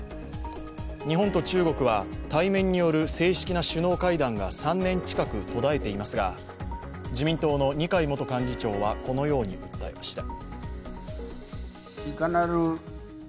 日本と中国は対面による正式な首脳会談が３年近く途絶えていますが、自民党の二階幹事長はこのように訴えました。